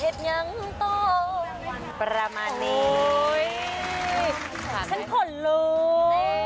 ฉันขนลูก